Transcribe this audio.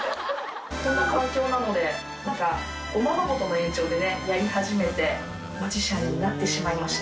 こんな環境なのでなんかおままごとの延長でねやり始めてマジシャンになってしまいました。